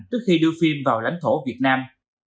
trước khi đưa phim vào lãnh thổ việt nam